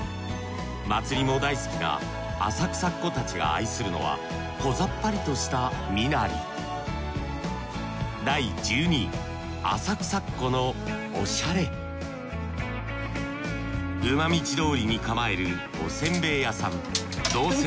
祭りも大好きな浅草っ子たちが愛するのはこざっぱりとした身なり馬道通りに構えるおせんべい屋さん憧泉